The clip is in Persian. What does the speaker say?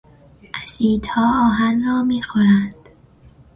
اسیدها آهن را میخورند.